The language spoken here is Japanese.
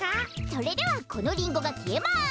それではこのリンゴがきえます。